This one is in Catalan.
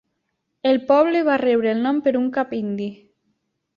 El poble va rebre el nom per un cap indi.